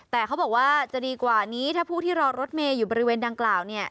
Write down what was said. แต่เขาบอกว่าจะดีกว่านี้ถ้าผู้ที่รอรถเมย์อยู่บริเวณดังกล่าว